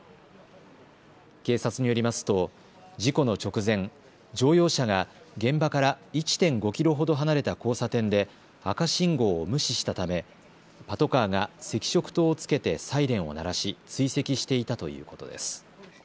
警察によりますと事故の直前、乗用車が現場から１．５キロほど離れた交差点で赤信号を無視したためパトカーが赤色灯をつけてサイレンを鳴らし追跡していたということです。